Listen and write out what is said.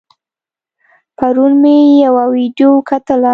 پرون مې يوه ويډيو کتله